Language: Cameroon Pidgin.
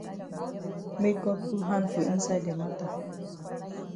Make God put hand for inside the mata.